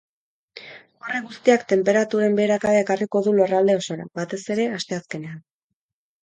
Horrek guztiak tenperaturen beherakada ekarriko du lurralde osora, batez ere, asteazkenean.